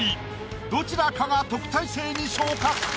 どちらかが特待生に昇格。